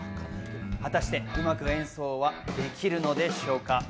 果たしてうまく演奏はできるのでしょうか？